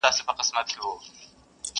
هم له پنده څخه ډکه هم ترخه ده٫